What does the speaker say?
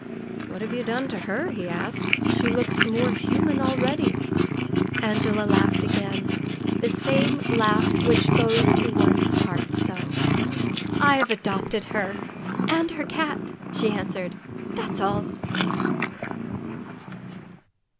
"What have you done to her?" he asked. "She looks more human already." Angela laughed again, that same laugh which goes to one's heart so. "I have adopted her and her cat!" she answered. "That's all!"